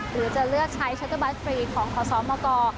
หรือจะเลือกใช้ชัตเตอร์บัสฟรีของขอสมก